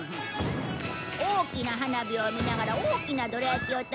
大きな花火を見ながら大きなどら焼きを食べる。